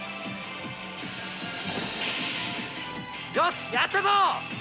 よしやったぞ！